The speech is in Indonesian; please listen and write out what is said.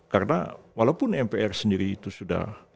karena walaupun mpr sendiri itu sudah